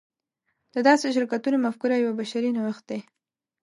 د داسې شرکتونو مفکوره یو بشري نوښت دی.